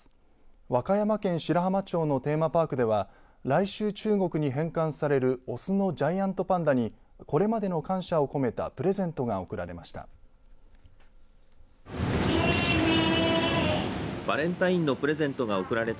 和歌山県白浜町のテーマパークでは来週中国に返還される雄のジャイアントパンダにこれまでの感謝を込めたプレゼントが贈られました。